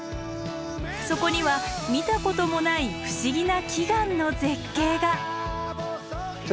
そこには見たこともない不思議な奇岩の絶景が。